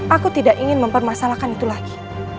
aku tidak ingin mempermasalahkan itu lagi